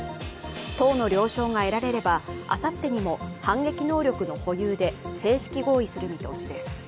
党の了承が得られれば、あさってにも反撃能力の保有で正式合意する見通しです